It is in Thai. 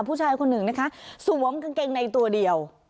ผู้ชายคนหนึ่งนะคะสวมกางเกงในตัวเดียว